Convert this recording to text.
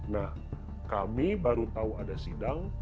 nah kami baru tahu ada sidang